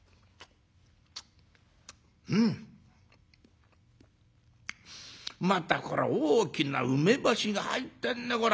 「うん！またこら大きな梅干しが入ってんねこら。